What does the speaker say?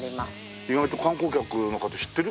意外と観光客の方知ってる？